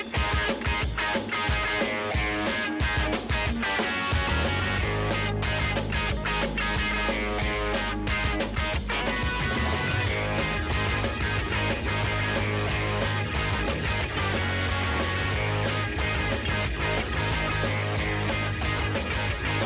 สวัสดีค่ะสวัสดีครับ